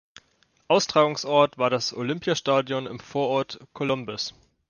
Austragungsort war das Olympiastadion im Vorort Colombes.